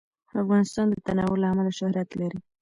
افغانستان د تنوع له امله شهرت لري.